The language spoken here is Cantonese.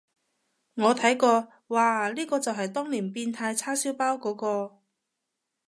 我睇過，嘩，呢個就係當年變態叉燒包嗰個？